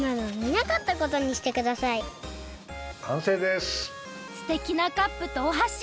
すてきなカップとおはし。